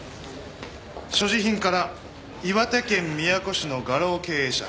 所持品から岩手県宮古市の画廊経営者